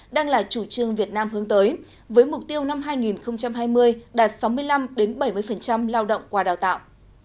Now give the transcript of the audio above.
đang là chủ trương việt nam hướng tới với mục tiêu năm hai nghìn hai mươi đạt sáu mươi năm bảy mươi lao động qua đào tạo